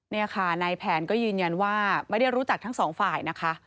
นี่ค่ะนายแผนก็ยืนยันว่าไม่ได้รู้จักทั้งสองฝ่ายนะคะ